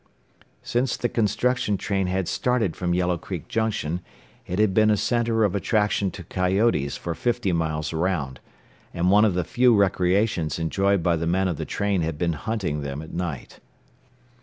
Since the construction train had started from Yellow Creek Junction it had been a center of attraction to coyotes for fifty miles around, and one of the few recreations enjoyed by the men of the train had been hunting them at night.